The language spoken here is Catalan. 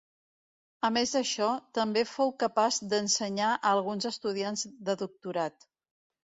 A més d'això també fou capaç d'ensenyar a alguns estudiants de doctorat.